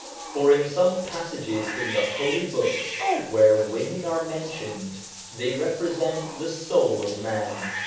For in some passages in the Holy Books where women are mentioned, they represent the soul of man.